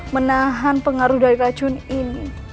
menahan pengaruh dari racun ini